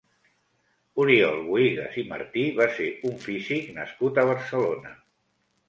Oriol Bohigas i Martí va ser un físic nascut a Barcelona.